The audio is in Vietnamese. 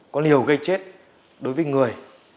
có liều gây chết đối với người